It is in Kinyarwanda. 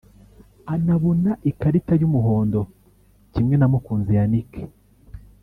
anabona ikarita y’umuhondo kimwe na Mukunzi Yannick